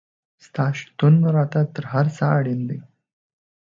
ستا شتون راته تر هر څه اړین دی